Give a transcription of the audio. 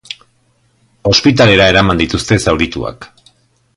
Ospitalera eraman dituzte zaurituak.